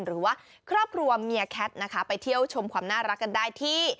หรือว่าครอบครัวเมียแคทนะคะไปเที่ยวชมความน่ารักกันได้ที่